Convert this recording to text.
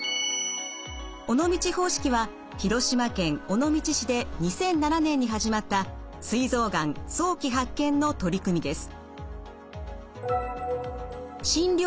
尾道方式は広島県尾道市で２００７年に始まったすい臓がん早期発見の取り組みです。